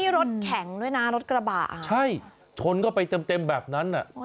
นี่รถแข็งด้วยนะรถกระบะใช่ชนก็ไปเต็มแบบนั้นอ่ะ